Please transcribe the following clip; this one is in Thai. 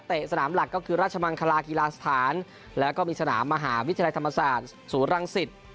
สนามหลักก็คือราชมังคลากีฬาสถานแล้วก็มีสนามมหาวิทยาลัยธรรมศาสตร์ศูนย์รังสิต